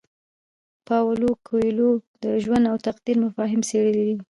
پاولو کویلیو د ژوند او تقدیر مفاهیم څیړلي دي.